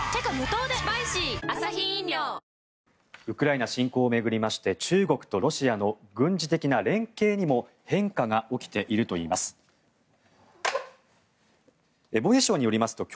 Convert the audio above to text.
ウクライナ侵攻を巡りまして、中国とロシアの軍事的な連携にも変化が起きているといいます。